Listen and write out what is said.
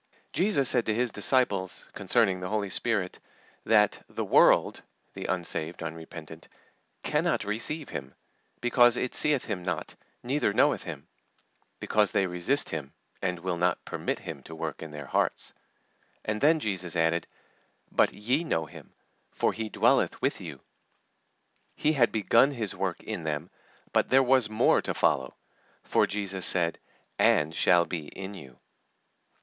Jesus said to His disciples, concerning the Holy Spirit, that "the world" (the unsaved, unrepentant) "cannot receive" Him, "because it seeth Him not, neither knoweth Him"; because they resist Him, and will not permit Him to work in their hearts. And then Jesus added, "but ye know Him; for He dwelleth with you...." He had begun His work in them, but there was more to follow, for Jesus said, "and shall be in you."